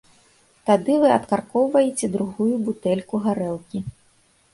Тады вы адкаркоўваеце другую бутэльку гарэлкі.